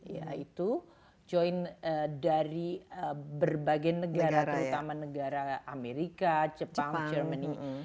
yaitu join dari berbagai negara terutama negara amerika jepang jerman ini